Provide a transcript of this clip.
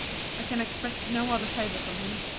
I can expect no other favour from him.